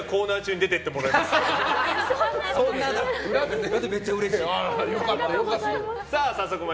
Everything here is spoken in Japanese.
でもめっちゃうれしい。